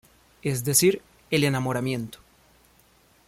Es decir, el enamoramiento.